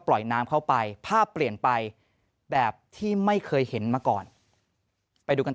ปล่อยน้ำเข้าไปภาพเปลี่ยนไปแบบที่ไม่เคยเห็นมาก่อนไปดูกัน